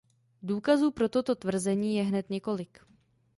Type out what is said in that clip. Důkazů pro toto tvrzení je hned několik.